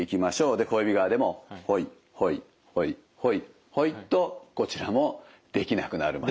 で小指側でもほいほいほいほいほいとこちらもできなくなるまで。